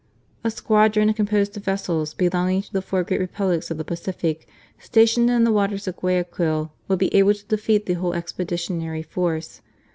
A squadron, composed of vessels belonging to the four great Republics of the Pacific, stationed in the waters of Guayaquil, would be able to defeat the whole expeditionary force.